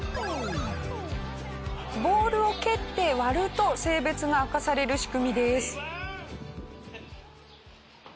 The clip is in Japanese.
ボールを蹴って割ると性別が明かされる仕組みです。